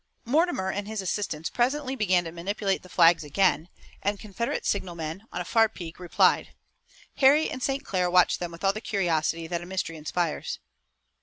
Mortimer and his assistants presently began to manipulate the flags again, and Confederate signalmen, on a far peak, replied. Harry and St. Clair watched them with all the curiosity that a mystery inspires.